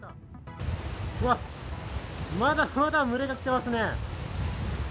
うわっ、まだまだ群れが来てますね。